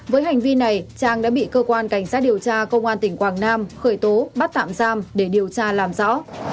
với hành vi này trang đã bị cơ quan cảnh sát điều tra công an tỉnh quảng nam khởi tố bắt tạm giam để điều tra làm rõ